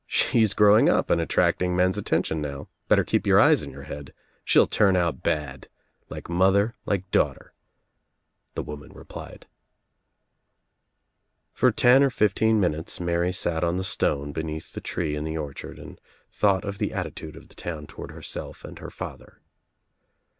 "She's growing up and attracting men's attention now. Better keep your eyes in your head. She'll turn out bad. Like mother, like daughter," the woman re plied. For ten or fifteen minutes Mary sat on the stone be neath the tree in the orchard and thought of the at titude of the town toward herself and her father.